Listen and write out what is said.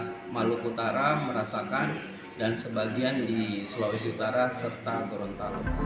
di maluku utara merasakan dan sebagian di sulawesi utara serta gorontalo